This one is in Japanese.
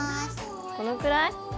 このくらい？